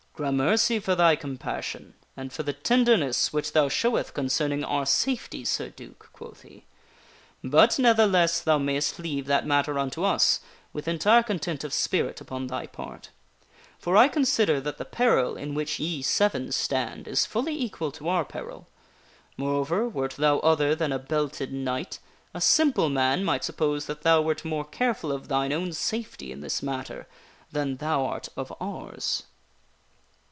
" Grarnercy for thy compassion, and for the tenderness which thou showeth concerning our safety, Sir Duke," quoth he. " But ne'theless, thou mayst leave that matter unto us with entire content of spirit upon thy part. For I consider that the peril in which ye seven stand is fully equal to our peril. Moreover, wert thou other than a belted knight, a simple man might suppose that thou wert more careful of thine own safety in this matter, than thou art of ours."